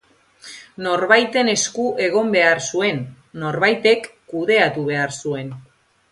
Norbaiten esku egon behar zuen, norbaitek kudeatu behar zuen.